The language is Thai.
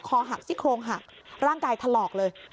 คอหักซี่โครงหักร่างกายถลอกเลย